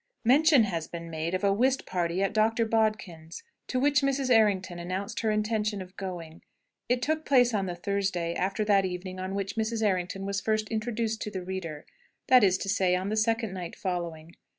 Mention has been made of a whist party at Dr. Bodkin's, to which Mrs. Errington announced her intention of going. It took place on the Thursday after that evening on which Mrs. Errington was first introduced to the reader: that is to say, on the second night following.